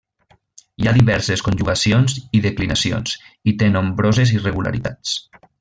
Hi ha diverses conjugacions i declinacions, i té nombroses irregularitats.